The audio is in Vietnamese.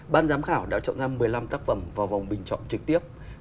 ban giám khảo đã chọn ra một mươi năm tác phẩm vào vòng bình chọn trực tiếp